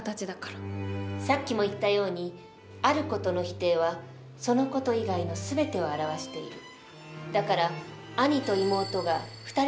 さっきも言ったようにある事の否定はその事以外の全てを表している。